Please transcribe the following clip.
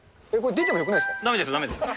出てもよくないですか？